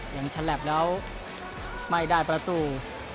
ยังฉันแหลบแล้วไม่ได้ประตู